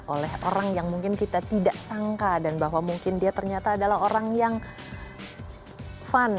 oleh orang yang mungkin kita tidak sangka dan bahwa mungkin dia ternyata adalah orang yang fun